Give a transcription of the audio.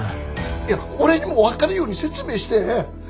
いや俺にも分かるように説明して。